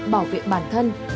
bảo vệ bản thân